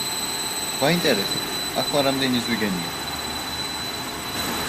გვაინტერესებს, ახლა რამდენი ზვიგენია?